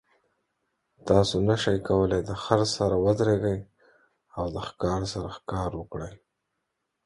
تاسو نشئ کولی د خر سره ودریږئ او د ښکار سره ښکار وکړئ.